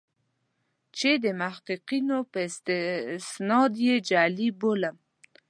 چې د محققینو په استناد یې جعلي بولم.